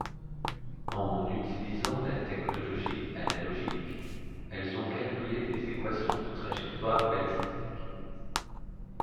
En utilisant la technologie analogique, elles ont calculé des équations de trajectoire balistique.